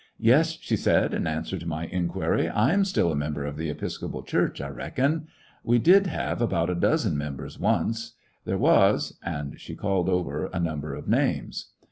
"Yes," she said, in answer to my inquiry, "I am still a member of the Episcopal Church, I reckon. We did have about a dozen mem bers once. There was—" and she called over a number of names.